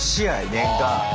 年間。